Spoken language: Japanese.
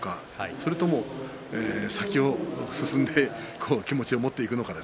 それとも、先を進んで気持ちを持っていくのか。